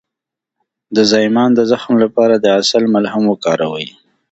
د زایمان د زخم لپاره د عسل ملهم وکاروئ